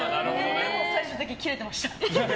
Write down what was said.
でも最終的にはキレてました。